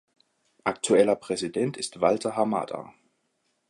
Aktueller Präsident ist Walter Hamada.